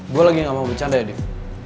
gue lagi gak mau bercanda ya div